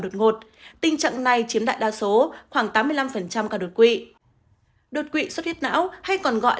đột ngột tình trạng này chiếm đại đa số khoảng tám mươi năm cả đột quỵ đột quỵ suất huyết não hay còn gọi